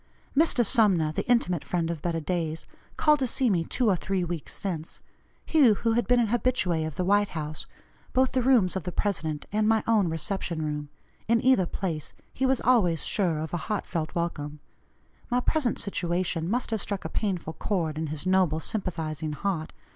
Mr. Sumner, the intimate friend of better days, called to see me two or three weeks since he who had been an habitué of the White House both the rooms of the President and my own reception room, in either place he was always sure of a heartfelt welcome; my present situation must have struck a painful chord in his noble, sympathizing heart.